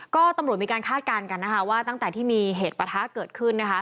ก็ตำรวจมีการคาดการณ์กันนะคะว่าตั้งแต่ที่มีเหตุประทะเกิดขึ้นนะคะ